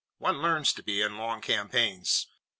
One learns to be in long campaigns.